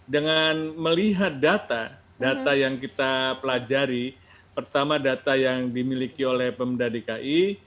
dengan melihat data data yang kita pelajari pertama data yang dimiliki oleh pemda dki